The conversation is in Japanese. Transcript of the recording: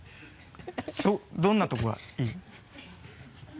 どどんなとこがいい？